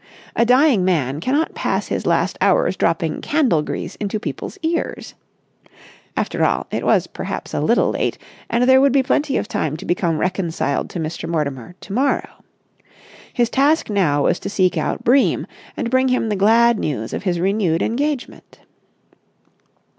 A dying man cannot pass his last hours dropping candle grease into people's ears. After all, it was perhaps a little late, and there would be plenty of time to become reconciled to Mr. Mortimer to morrow. His task now was to seek out Bream and bring him the glad news of his renewed engagement.